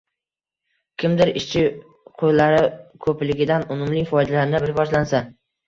Kimdir ishchi qo‘llari ko‘pligidan unumli foydalanib rivojlansa